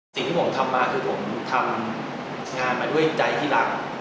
สิ่งที่ผมทำมาคือผมทำงานมาด้วยใจที่รัก